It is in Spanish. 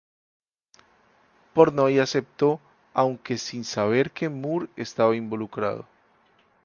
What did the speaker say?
Portnoy aceptó, aunque sin saber que Moore estaba involucrado.